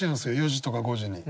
４時とか５時に。